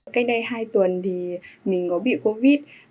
cách đây hai tuần thì mình có bị covid